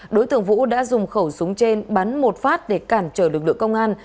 đối tượng vũ đã dùng khẩu súng trên bắn một phát để cản trở lực lượng công an